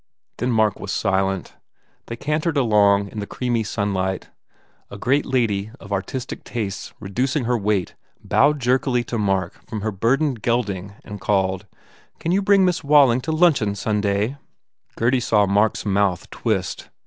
Then Mark was silent. They cantered along in the creamy sunlight. A great lady of artistic tastes reducing her weight bowed jerkily to Mark from her burdened gelding and called, "Can you bring Miss Walling to luncheon Sunday?" Gurdy saw Mark s mouth twist.